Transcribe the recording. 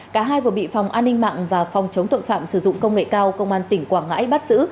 cả hai vừa bị phòng an ninh mạng và phòng chống tội phạm sử dụng công nghệ cao công an tỉnh quảng ngãi bắt giữ